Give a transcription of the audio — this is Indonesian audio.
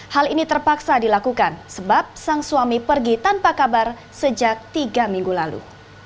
hal ini terpaksa dilakukan sebab sang suami pergi tanpa kabar sejak tiga minggu lalu